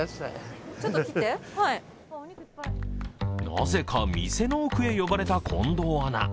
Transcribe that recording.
なぜか店の奥へ呼ばれた近藤アナ。